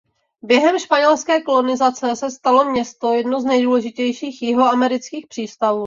Během španělské kolonizace se stalo město jedno z nejdůležitějších jihoamerických přístavů.